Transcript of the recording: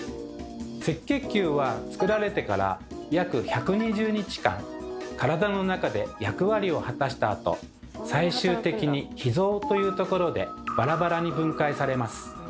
赤血球はつくられてから約１２０日間体の中で役割を果たしたあと最終的に脾臓というところでバラバラに分解されます。